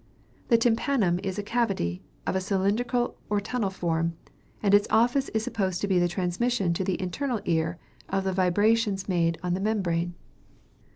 The tympanum is a cavity, of a cylindrical or tunnel form, and its office is supposed to be the transmission to the internal ear of the vibrations made upon the membrane.